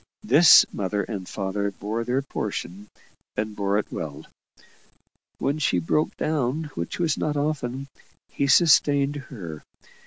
This mother and father bore their portion, and bore it well. When she broke down, which was not often, he sustained her.